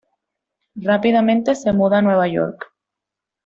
Rápidamente se mudó a Nueva York.